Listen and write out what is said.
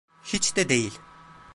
Hiç de değil.